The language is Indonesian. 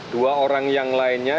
dua orang yang lainnya